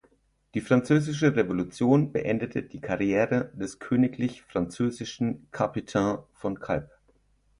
Die Französische Revolution beendete die Karriere des Königlich Französischen Capitaine von Kalb.